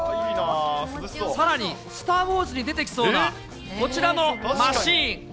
さらにスター・ウォーズに出てきそうなこちらのマシーン。